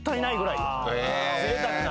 ・ぜいたくな。